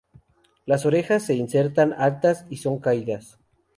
Las orejas se insertan altas y son caídas.